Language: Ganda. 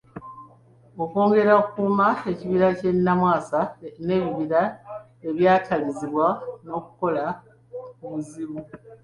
Okwongera okukuuma ekibira ky'e Namwasa n'ebibira ebyatalizibwa n'okukola ku buzibu.